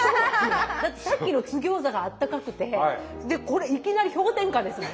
だってさっきの津ぎょうざがあったかくてでこれいきなり氷点下ですもん。